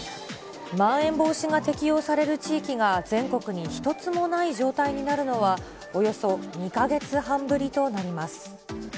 まん延防止が適用される地域が全国に一つもない状態になるのは、およそ２か月半ぶりとなります。